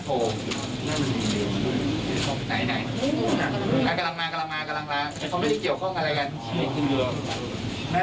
ใช่แล้วเดี๋ยวจะมาถึงนี้เลย